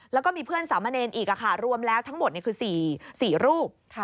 แล้วก็มีเพื่อนสามเณรอีกรวมแล้วทั้งหมดคือ๔รูป